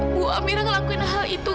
bu amira ngelakuin hal itu